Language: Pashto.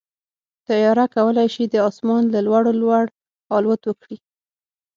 طیاره کولی شي د اسمان له لوړو لوړ الوت وکړي.